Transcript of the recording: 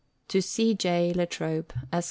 C. J. La Trobe, Esq.